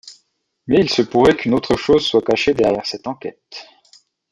Mais il se pourrait qu'une autre chose soit caché derrière cette enquête...